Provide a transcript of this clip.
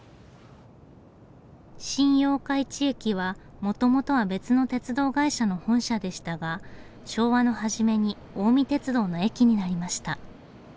新八日市駅はもともとは別の鉄道会社の本社でしたが昭和の初めに近江鉄道の駅になりました。